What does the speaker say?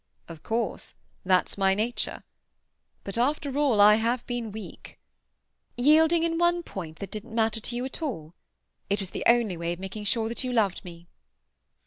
"Of course; that's my nature. But after all I have been weak." "Yielding in one point that didn't matter to you at all? It was the only way of making sure that you loved me."